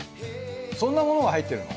そんなものが入ってるの？